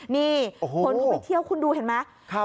นี่คนเข้าไปเที่ยวคุณดูเห็นไหม